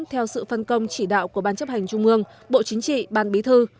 theo sự phân công chỉ đạo của ban chấp hành trung ương bộ chính trị ban bí thư